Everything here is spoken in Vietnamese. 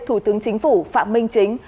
thủ tướng chính phủ phạm minh chính